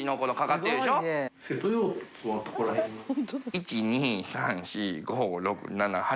１２３４５６７８。